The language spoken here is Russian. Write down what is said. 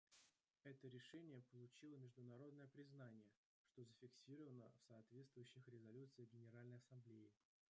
Это решение получило международное признание, что зафиксировано в соответствующих резолюциях Генеральной Ассамблеи.